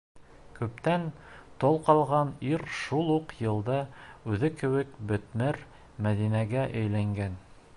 Күптән тол ҡалған ир шул уҡ йылда үҙе кеүек бөтмөр Мәҙинәгә өйләнгән.